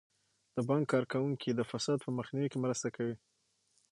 د بانک کارکوونکي د فساد په مخنیوي کې مرسته کوي.